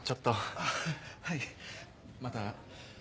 あっはいまた。